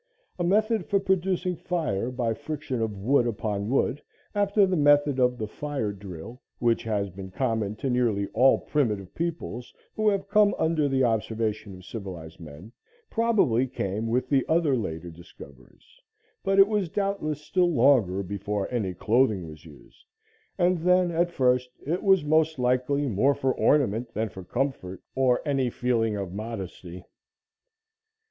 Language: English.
A method for producing fire by friction of wood upon wood, after the method of the fire drill, which has been common to nearly all primitive peoples who have come under the observation of civilized men, probably came with the other later discoveries, but it was doubtless still longer before any clothing was used, and then, at first, it was most likely more for ornament than for comfort or any feeling of modesty.